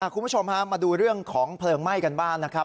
คุณผู้ชมฮะมาดูเรื่องของเพลิงไหม้กันบ้างนะครับ